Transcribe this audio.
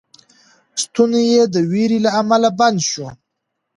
ستونی یې د وېرې له امله بند شو.